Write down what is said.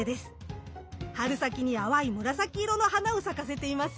春先に淡い紫色の花を咲かせていますよ。